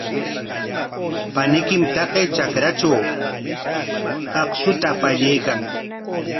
Paniykim taqay trakratraw akshuta pallaykan.